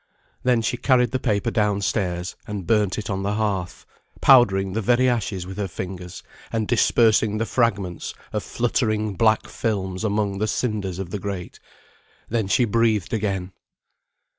Then she carried the paper down stairs, and burnt it on the hearth, powdering the very ashes with her fingers, and dispersing the fragments of fluttering black films among the cinders of the grate. Then she breathed again.